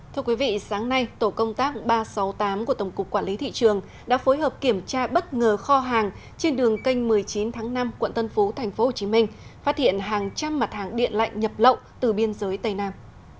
thưa quý vị sáng nay tổ công tác ba trăm sáu mươi tám của tổng cục quản lý thị trường đã phối hợp kiểm tra bất ngờ kho hàng trên đường kênh một mươi chín tháng năm quận tân phú tp hcm phát hiện hàng trăm mặt hàng điện lạnh nhập lậu từ biên giới tây nam